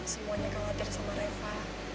semuanya khawatir sama reva